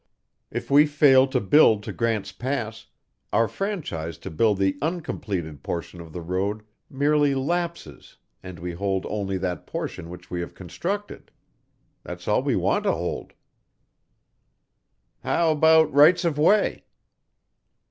If we fail to build to Grant's Pass, our franchise to build the uncompleted portion of the road merely lapses and we hold only that portion which we have constructed. That's all we want to hold." "How about rights of way?"